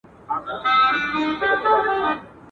برايي زما د طالعې مى په پيمانه کي نه وو